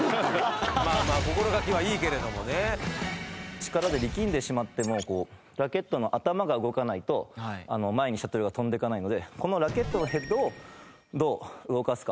力で力んでしまってもこうラケットの頭が動かないと前にシャトルが飛んでいかないのでこのラケットのヘッドをどう動かすか。